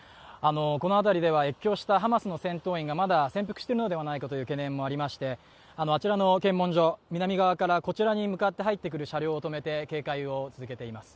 この辺りでは越境したハマスの戦闘員がまだ潜伏しているのではとの懸念もありまして、あちらの検問所南側からこちら側に入ってくる車両を止めて警戒を続けています。